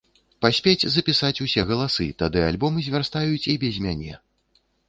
Паспець запісаць усе галасы, тады альбом звярстаюць і без мяне.